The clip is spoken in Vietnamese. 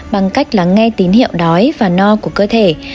bằng cách lắng nghe tín hiệu đói và no của cơ thể